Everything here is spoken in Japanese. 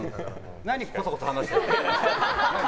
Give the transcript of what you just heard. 何こそこそ話してるの？